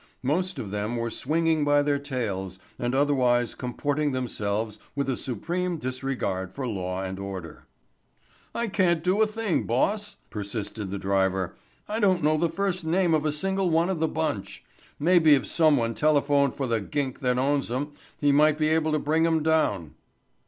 Most of them were swinging by their tails and otherwise comporting themselves with a supreme disregard for law and order. "I can't do a thing, boss," persisted the driver. "I don't know the first name of a single one of the bunch. Maybe if some one telephoned for the gink that owns 'em he might be able to bring 'em down."